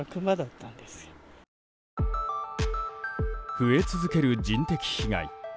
増え続ける人的被害。